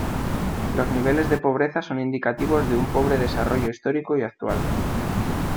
Los niveles de pobreza son indicativos de un pobre desarrollo histórico y actual.